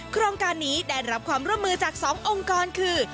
โครงการนี้ได้รับความร่วมมือจาก๒องค์กรคือ